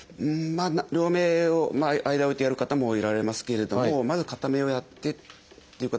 両目を間を置いてやる方もおられますけれどもまず片目をやってという方が多いですね。